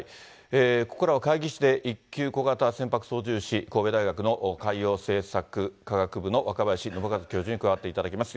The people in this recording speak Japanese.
ここからは海技士で、１級小型船舶操縦士、神戸大学の海洋政策科学部の若林伸和教授に伺っていきます。